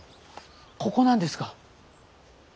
ここなんですが。